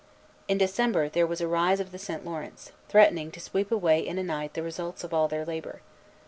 In December, there was a rise of the St. Lawrence, threatening to sweep away in a night the results of all their labor.